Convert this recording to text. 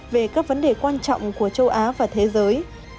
về các vấn đề quan trọng của châu á và thế giới